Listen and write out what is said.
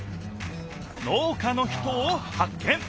農家の人をはっ見！